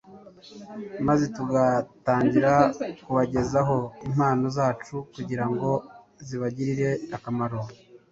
maze tugatangira kubagezaho impano zacu kugira ngo zibagirire akamaro.